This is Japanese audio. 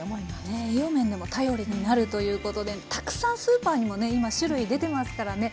ねえ栄養面でも頼りになるということでたくさんスーパーにもね今種類出てますからね